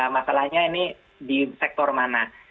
masalahnya ini di sektor mana